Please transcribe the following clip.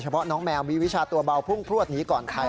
เพราะน้องแมวมีวิชาตัวเบาพุ่งพลวดหนีก่อนใคร